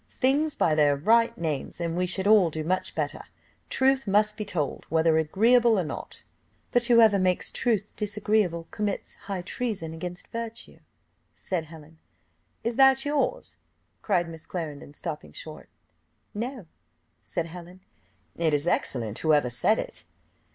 Things by their right names and we should all do much better. Truth must be told, whether agreeable or not." "But whoever makes truth disagreeable commits high treason against virtue," said Helen. "Is that yours?" cried Miss Clarendon, stopping short. "No," said Helen. "It is excellent whoever said it."